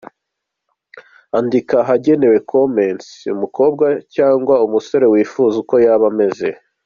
Andika ahagenewe comments umukobwa cyangwa umusore wifuza uko yaba ameze.